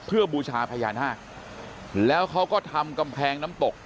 เพื่อบูชาพญานาคแล้วเขาก็ทำกำแพงน้ำตก